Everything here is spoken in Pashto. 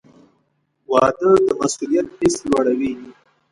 • واده د مسؤلیت حس لوړوي.